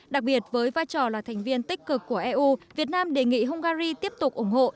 đặc biệt với vai trò là thành viên tích cực của eu việt nam đề nghị hungary tiếp tục ủng hộ